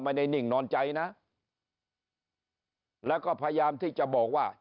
นิ่งนอนใจนะแล้วก็พยายามที่จะบอกว่า